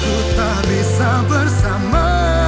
ku tak bisa bersama